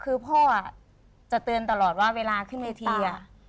คือพ่อจะเตือนตลอดว่าเวลาขึ้นเวที